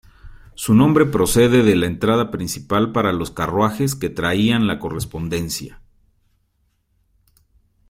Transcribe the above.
Su nombre procede de la entrada principal para los carruajes que traían la correspondencia.